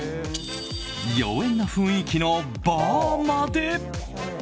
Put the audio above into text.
妖艶な雰囲気のバーまで！